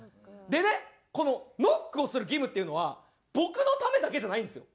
でねこのノックをする義務っていうのは僕のためだけじゃないんですよ。